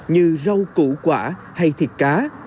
như rau củ quả hay thịt cá